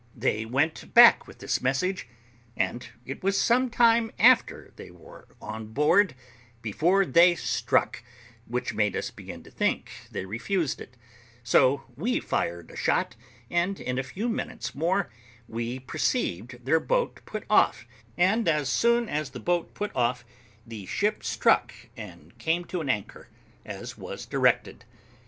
They went back with this message, and it was some time after they were on board before they struck, which made us begin to think they refused it; so we fired a shot, and in a few minutes more we perceived their boat put off; and as soon as the boat put off the ship struck and came to an anchor, as was directed.